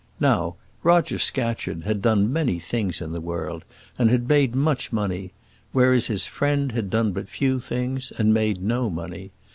Now Roger Scatcherd had done many things in the world, and made much money; whereas his friend had done but few things, and made no money.